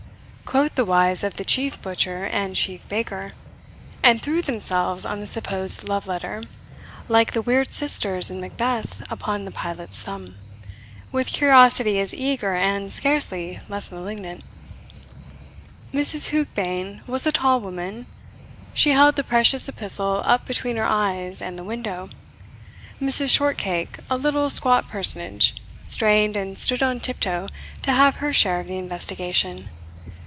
quoth the wives of the chief butcher and chief baker; and threw themselves on the supposed love letter, like the weird sisters in Macbeth upon the pilot's thumb, with curiosity as eager and scarcely less malignant. Mrs. Heukbane was a tall woman she held the precious epistle up between her eyes and the window. Mrs. Shortcake, a little squat personage, strained and stood on tiptoe to have her share of the investigation.